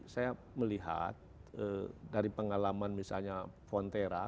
saya melihat dari pengalaman misalnya fonterra